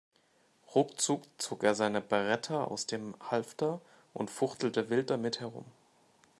Ruckzuck zog er seine Beretta aus dem Halfter und fuchtelte wild damit herum.